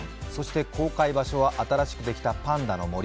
公開場所は新しくできたパンダのもり。